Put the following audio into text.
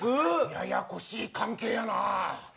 ややこしい関係やな。